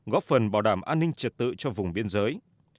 góp phần bảo đảm an ninh trật tự cho vùng biên giới